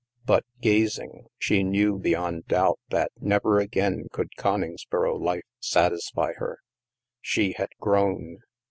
But gazing, she knew beyond doubt that never again could Coningsboro life satisfy her. She had grown.